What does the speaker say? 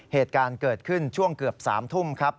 เหตุการณ์เกิดขึ้นช่วงเกือบ๓ทุ่มครับ